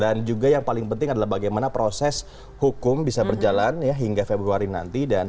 dan juga yang paling penting adalah bagaimana proses hukum bisa berjalan hingga februari nanti